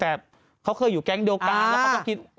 แต่เขาเคยอยู่แก๊งเดียวกันแล้วเขาก็คิด